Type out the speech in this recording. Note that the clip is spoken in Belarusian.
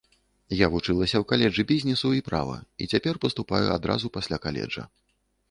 Я вучылася ў каледжы бізнесу і права і цяпер паступаю адразу пасля каледжа.